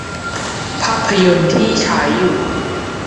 ภาพยนตร์ที่ฉายอยู่